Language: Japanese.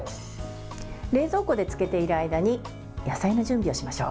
冷蔵庫でつけている間に野菜の準備をしましょう。